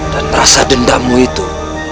dan rasa dendamu itu